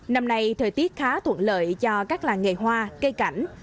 năm nay thời tiết khá thuận lợi cho các làng nghề hoa cây cảnh